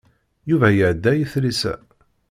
Yuba iɛedda i tlisa.